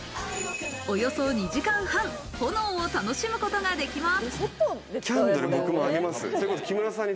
およそ２時間半、炎を楽しむことができます。